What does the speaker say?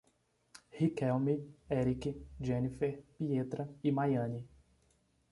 Riquelme, Erique, Jhenifer, Pietra e Maiane